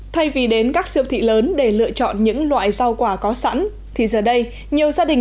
thay vì đến các siêu thị lớn để lựa chọn những loại rau quả có sẵn thì giờ đây nhiều gia đình